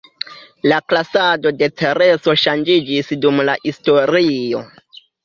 La klasado de Cereso ŝanĝiĝis dum la historio.